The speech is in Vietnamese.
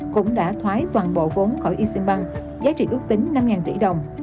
cũng đã thoái toàn bộ vốn khỏi asean bank giá trị ước tính năm tỷ đồng